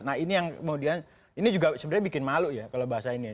nah ini yang kemudian ini juga sebenarnya bikin malu ya kalau bahasa ini